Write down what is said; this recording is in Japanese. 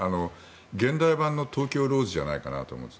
現代版の東京ローズじゃないかと思います。